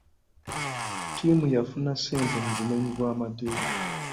Ttimu yafuna ssente mu bumenyi bw'amateeka.